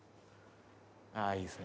あぁいいですね。